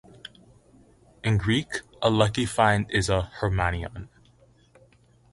In Greek, a lucky find is a "hermaion".